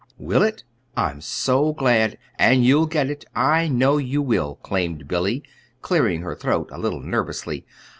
"Will it? I'm so glad and you'll get it, I know you will," claimed Billy, clearing her throat a little nervously.